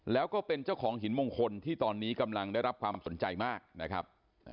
แล้วก็เป็นเจ้าของหินมงคลที่ตอนนี้กำลังได้รับความสนใจมากนะครับ